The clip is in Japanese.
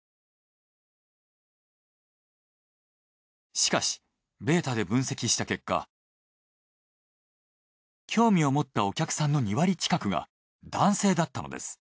しかしベータで分析した結果興味を持ったお客さんの２割近くが男性だったのです。